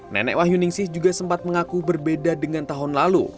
nenek wahyu ningsih juga sempat mengaku berbeda dengan tahun lalu